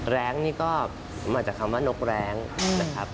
แรงนี่ก็มาจากคำว่านกแรงนะครับ